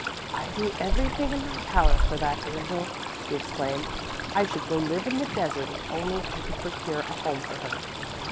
"I do everything in my power for that angel," she exclaimed. "I should go to live in the desert if only I could procure a home for her."